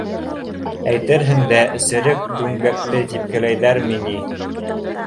Әйтерһең дә, серек дүңгәкте типкеләйҙәрме ни.